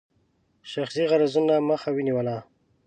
شخصي غرضونو مخه ونیوله.